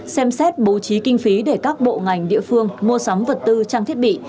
xem xét bố trí kinh phí để các bộ ngành địa phương mua sắm vật tư trang thiết bị